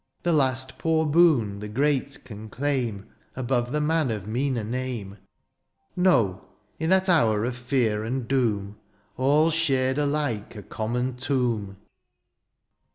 The last poor boon the great can claim Above the man of meaner name : 56 DioxTSirs. Noy in that hour of finr and doom^ All skaicd alike a conunon tomb